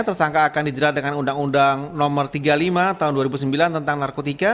tersangka akan dijerat dengan undang undang no tiga puluh lima tahun dua ribu sembilan tentang narkotika